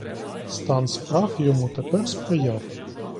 Стан справ йому тепер сприяв.